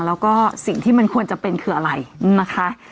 แล้วก็สิ่งที่มันควรจะเป็นคืออะไรนะคะ